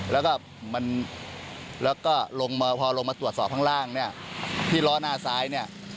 แล้วก็มันแล้วก็ลงมาพอลงมาตรวจสอบข้างล่างเนี่ยที่ล้อหน้าซ้ายเนี่ย